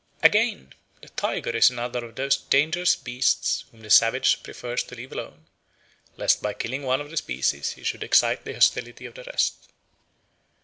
Again, the tiger is another of those dangerous beasts whom the savage prefers to leave alone, lest by killing one of the species he should excite the hostility of the rest.